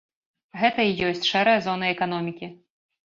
Гэта і ёсць шэрая зона эканомікі.